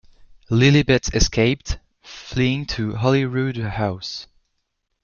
Lilibet escaped, fleeing to Holyrood House.